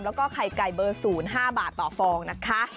แล้วก็ไข่ไก่เบอร์๐๕บาทต่อฟองนะคะ